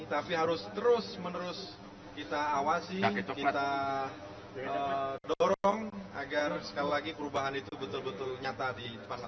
tapi harus terus menerus kita awasi kita dorong agar sekali lagi perubahan itu betul betul nyata di pasal dua puluh